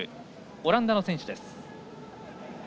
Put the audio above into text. オランダの選手です。